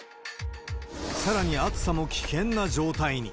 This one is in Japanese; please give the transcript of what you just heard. さらに暑さも危険な状態に。